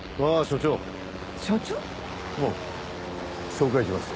紹介します。